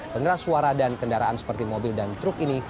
pengeras suara dan kendaraan seperti mobil dan truk ini